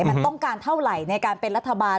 มันต้องการเท่าไหร่ในการเป็นรัฐบาล